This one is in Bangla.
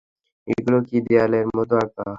ওগুলো কি দেয়ালের মধ্যে আঁকা?